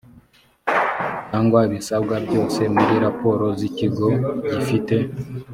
cyangwa ibisabwa byose muri raporo z ikigo gifite